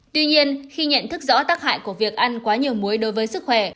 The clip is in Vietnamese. tuy nhiên khi nhận thức rõ tác hại của việc ăn quá nhiều muối đối với sức khỏe